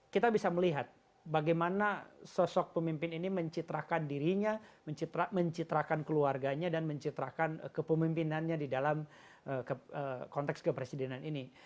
kita bisa melihat bagaimana sosok pemimpin ini mencitrakan dirinya mencitrakan keluarganya dan mencitrakan kepemimpinannya di dalam konteks kepresidenan ini